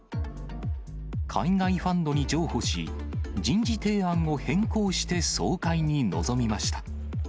海外ファンドに譲歩し、人事提案を変更して総会に臨みました。